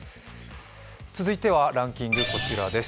続いてはランキング、こちらです。